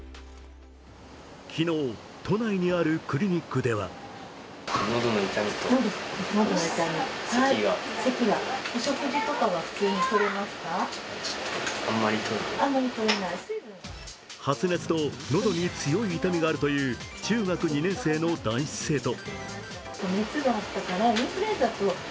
昨日、都内にあるクリニックでは発熱と喉に強い痛みがあるという中学２年生の男子生徒。